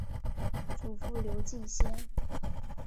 祖父刘敬先。